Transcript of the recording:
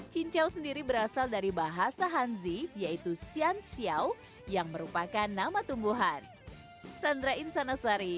cincau sendiri berasal dari bahasa hanzi yaitu sian xiao yang merupakan nama tumbuhan